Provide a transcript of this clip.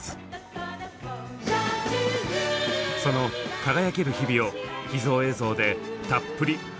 その輝ける日々を秘蔵映像でたっぷり振り返ります。